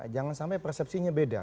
jangan sampai persepsinya beda